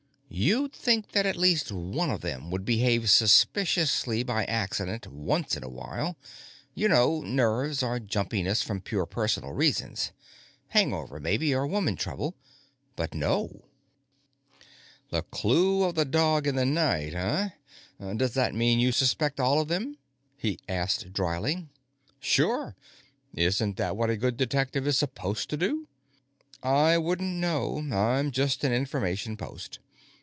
"You'd think that at least one of them would behave suspiciously by accident once in a while. You know nerves or jumpiness from purely personal reasons. Hang over, maybe, or woman trouble. But, no." "The clue of the dog in the night, huh? Does that mean you suspect all of them?" he asked dryly. "Sure. Isn't that what a good detective is supposed to do?" "I wouldn't know; I'm just an information post.